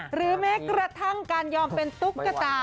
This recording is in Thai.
หรือไม่กระทั่งกันยอมเป็นตุ๊กกระตา